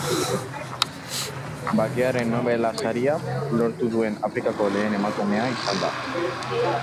Bakearen Nobel saria lortu duen Afrikako lehen emakumea izan da.